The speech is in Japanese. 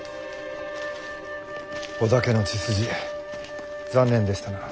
織田家の血筋残念でしたな。